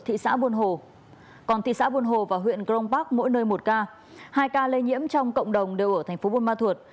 thị xã buôn hồ còn thị xã buôn hồ và huyện grong park mỗi nơi một ca hai ca lây nhiễm trong cộng đồng đều ở thành phố buôn ma thuột